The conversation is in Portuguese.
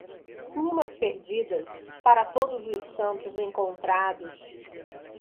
Plumas perdidas, para Todos os Santos encontrados.